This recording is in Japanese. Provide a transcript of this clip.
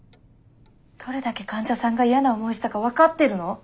どれだけ患者さんが嫌な思いしたか分かってるの？